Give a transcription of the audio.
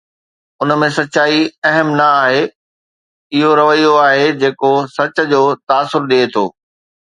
ان ۾ سچائي اهم نه آهي، اهو رويو آهي جيڪو سچ جو تاثر ڏئي ٿو.